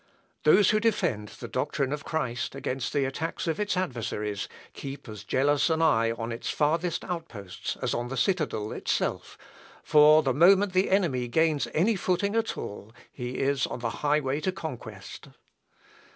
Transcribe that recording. Those who defend the doctrine of Christ against the attacks of its adversaries keep as jealous an eye on its farthest outposts as on the citadel itself, for the moment the enemy gains any footing at all he is on the highway to conquest.